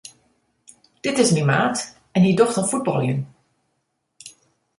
Dit is myn maat en hy docht oan fuotbaljen.